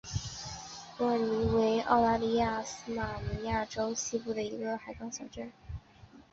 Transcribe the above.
伯尔尼为澳大利亚塔斯马尼亚州西北部的一个海港小镇。